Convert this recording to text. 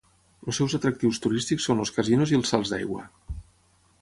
Els seus atractius turístics són els casinos i els salts d'aigua.